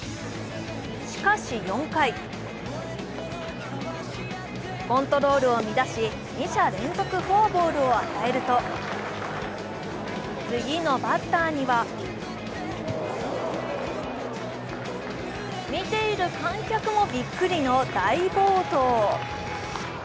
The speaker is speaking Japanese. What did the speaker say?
しかし４回、コントロールを乱し、二者連続フォアボールを与えると次のバッターには見ている観客もびっくりの大暴投。